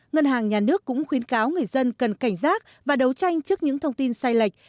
ngân hàng nhà nước cũng khuyến cáo người dân cần cảnh giác và đấu tranh trước những thông tin sai lệch